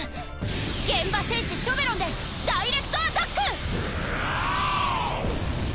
幻刃戦士ショベロンでダイレクトアタック！